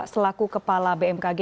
selaku kepala bmkg